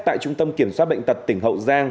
tại trung tâm kiểm soát bệnh tật tỉnh hậu giang